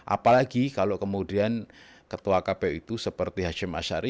apalagi kalau kemudian ketua kpu itu seperti hashim ashari